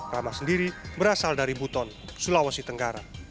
ramah sendiri berasal dari buton sulawesi tenggara